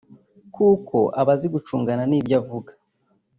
kuko aba azi gucungana n’ibyo avuga